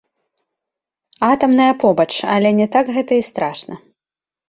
Атамная побач, але не так гэта і страшна.